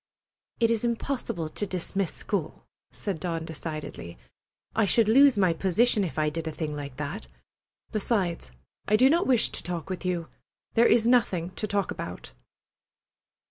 "It is impossible to dismiss school," said Dawn decidedly. "I should lose my position if I did a thing like that. Besides, I do not wish to talk with you. There is nothing to talk about."